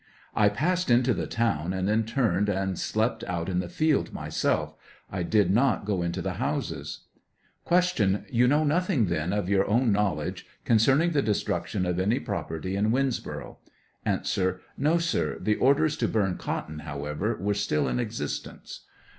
I passed into the town and then turned and slept out in the field myself; I did not go into the bouses. Q. You know nothing, then, of your own knowledge, concerning the destruction of any property in Winns boro' ? A. No, sir ; the orders to burn cotton, however, were still in existence.